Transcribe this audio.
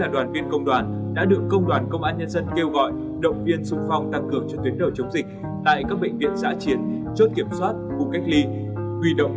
đoàn viên công an tại các đơn vị địa phương và y bác sĩ tăng cường cho các bệnh viện xã triển